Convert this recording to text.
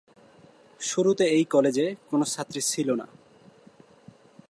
শুরুতে এই কলেজে কোন ছাত্রী ছিল না।